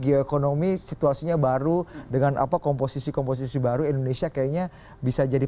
geoekonomi situasinya baru dengan apa komposisi komposisi baru indonesia kayaknya bisa jadi